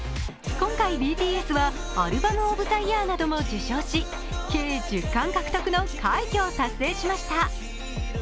今回、ＢＴＳはアルバム・オブ・ザ・イヤーなども受賞し、計１０冠獲得の快挙を達成しました。